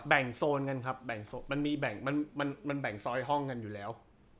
แบ่งโซนกันครับมันแบ่งซอยห้องกันอยู่แล้ว